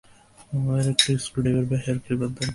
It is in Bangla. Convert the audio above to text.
আমার একটা স্ক্রু ড্রাইভার বা হেয়ার ক্লিপার দরকার।